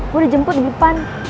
gue udah jemput di depan